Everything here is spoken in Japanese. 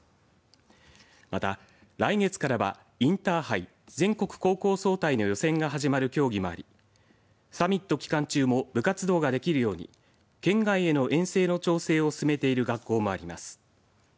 また、来月からはインターハイ、全国高校総体の予選が始まる競技もありサミット期間中も部活動ができるように県外への遠征の調整を進めている学校もあります。